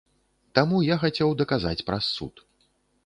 Таму я хацеў даказаць праз суд.